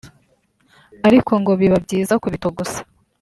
ariko ngo biba byiza kubitogosa